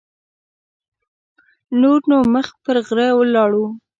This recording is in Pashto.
نور نو مخ پر غره لاړو.